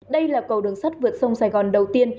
đây là cầu đường sắt vượt sông sài gòn đầu tiên